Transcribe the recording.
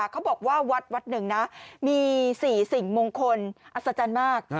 เขาบอกว่าวัดวัดหนึ่งนะมี๔สิ่งมงคลอัศจรรย์มาก